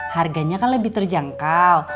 harganya kan lebih terjangkau